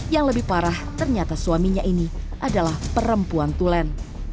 yang lebih parah ternyata suaminya ini adalah perempuan tulen